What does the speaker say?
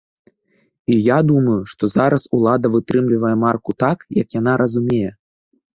І я думаю, што зараз улада вытрымлівае марку так, як яна разумее.